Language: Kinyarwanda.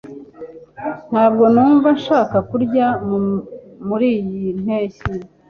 Ntabwo numva nshaka kurya muriyi mpeshyi.